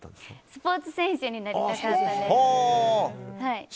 スポーツ選手になりたかったです。